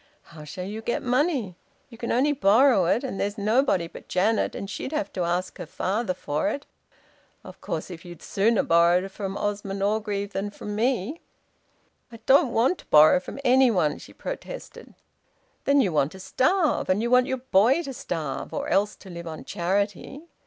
How shall you get money? You can only borrow it and there's nobody but Janet, and she'd have to ask her father for it. Of course, if you'd sooner borrow from Osmond Orgreave than from me " "I don't want to borrow from any one," she protested. "Then you want to starve! And you want your boy to starve or else to live on charity!